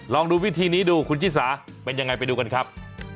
ลองดูวิธีนี้ดูคุณชิสาเป็นยังไงไปดูกันครับ